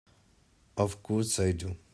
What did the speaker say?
Of course I do!